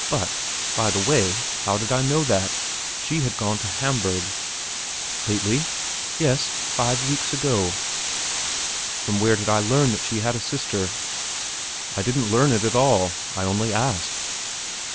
But, by the way, how did I know that? She had gone to Hamburg. "Lately?" "Yes; five weeks ago." From where did I learn that she had a sister? I didn't learn it at all; I only asked.